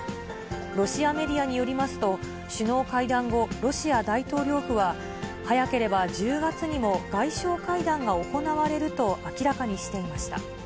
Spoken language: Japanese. ロシアメディアによりますと、首脳会談後、ロシア大統領府は、早ければ１０月にも外相会談が行われると明らかにしていました。